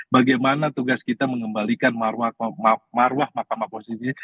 bagaimana tugas kita mengembalikan marwah mahkamah konstitusi